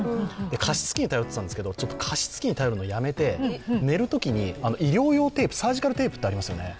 加湿器に頼ってたんですけどちょっと加湿器に頼るのをやめて寝るときに医療用テープサージカルテープってありますよね